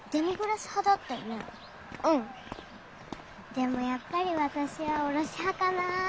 でもやっぱり私はおろし派かな。